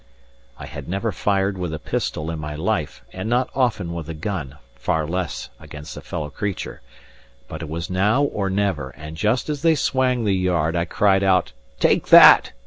I had never fired with a pistol in my life, and not often with a gun; far less against a fellow creature. But it was now or never; and just as they swang the yard, I cried out: "Take that!"